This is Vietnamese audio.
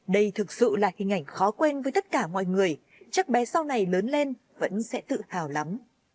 đây thực sự là hình ảnh khó quen với tất cả mọi người chắc bé sau này lớn lên vẫn sẽ tự hào lắm